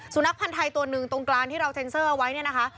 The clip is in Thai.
นักพันธ์ไทยตัวหนึ่งตรงกลางที่เราเซ็นเซอร์เอาไว้เนี่ยนะคะ